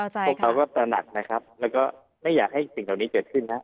พวกเขาก็ตระหนักนะครับแล้วก็ไม่อยากให้สิ่งเหล่านี้เกิดขึ้นนะ